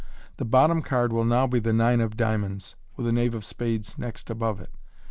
The bottom card will now be the nine of diamonds, with a knave of spades next above it.